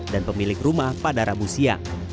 dan pemilik rumah pada rabu siang